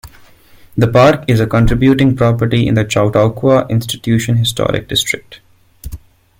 The park is a contributing property in the Chautauqua Institution Historic District.